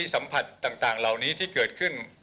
สัมผัสต่างเหล่านี้ที่เกิดขึ้น